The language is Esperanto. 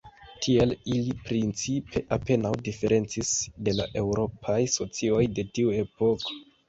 Tiel, ili principe apenaŭ diferencis de la eŭropaj socioj de tiu epoko.